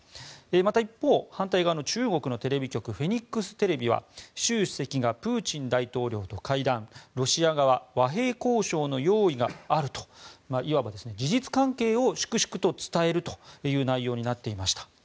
また一方反対側の中国のテレビ局フェニックステレビは習主席がプーチン大統領と会談ロシア側和平交渉の用意があるといわば事実関係を粛々と伝えるという内容になっていました。